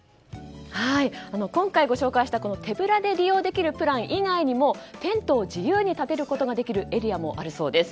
今回、ご紹介した手ぶらで利用できるプラン以外にもテントを自由に建てることができるエリアもあるそうです。